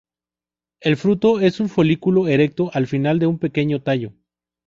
El fruto es un folículo erecto al final de un pequeño tallo.